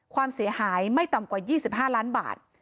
ความเสียหายไม่ต่ำกว่า๒๕ล้านบาท